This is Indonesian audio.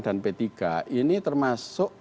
dan p tiga ini termasuk